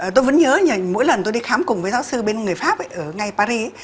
tôi vẫn nhớ mỗi lần tôi đi khám cùng với giáo sư bên người pháp ở ngay paris